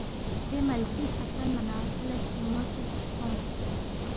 دے ملسی کھہ تھونما نہ کھو لہ ژَتِینگمو چِک تھونگس